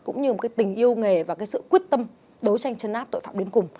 cũng như tình yêu nghề và sự quyết tâm đấu tranh chấn áp tội phạm đến cùng